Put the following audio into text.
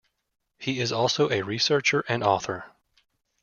He is also a researcher and author.